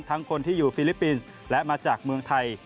คนที่อยู่ฟิลิปปินส์และมาจากเมืองไทย